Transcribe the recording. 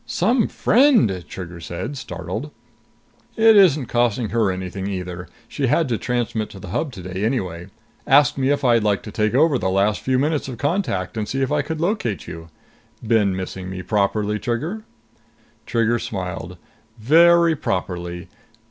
"Some friend!" Trigger said, startled. "It isn't costing her anything either. She had to transmit to the Hub today anyway. Asked me if I'd like to take over the last few minutes of contact and see if I could locate you.... Been missing me properly, Trigger?" Trigger smiled. "Very properly.